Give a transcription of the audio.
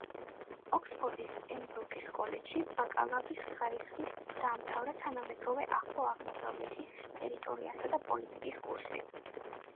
ოქსფორდის პემბროკის კოლეჯში ბაკალავრის ხარისხით დაამთავრა თანამედროვე ახლო აღმოსავლეთის ისტორიასა და პოლიტიკის კურსი.